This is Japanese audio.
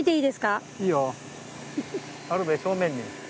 あるべ正面に。